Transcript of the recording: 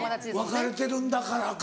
別れてるんだからか。